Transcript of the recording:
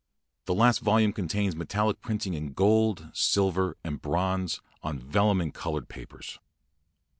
The last volume contains metallic printing in gold, silver, and bronzes, on vellum and colored papers.